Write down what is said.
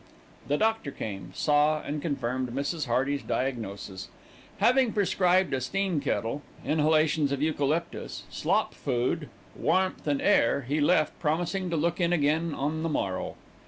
The doctor came, saw, and confirmed Mrs. Hearty's diagnosis. Having prescribed a steam kettle, inhalations of eucalyptus, slop food, warmth and air, he left, promising to look in again on the morrow.